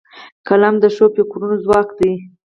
قلم د ښو فکرونو ځواک دی